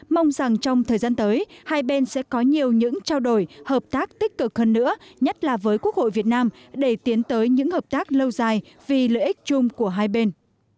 mong rằng trong thời gian tới hai bên sẽ có nhiều những trao đổi hợp tác tích cực hơn nữa nhất là với quốc hội việt nam để tiến tới những hợp tác lâu dài vì lợi ích chung của hai bên